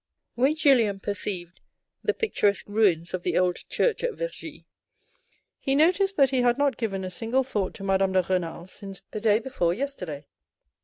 When Julien perceived the picturesque ruins of the old church at Vergy, he noticed that he had not given a single thought to Madame de Renal since the day before yesterday.